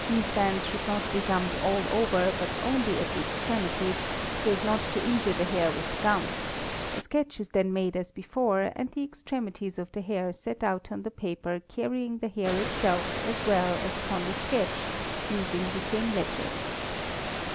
4). These bands should not be gummed all over but only at the extremities, so as not to injure the hair with the gum; a sketch is then made as before and the extremities of the hair set out on — the paper carrying the hair itself as well as upon the sketch, using the — same letters (Figs.